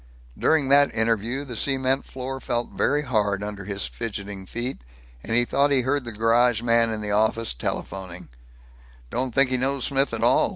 During that interview the cement floor felt very hard under his fidgeting feet, and he thought he heard the garage man in the office telephoning, "Don't think he knows Smith at all.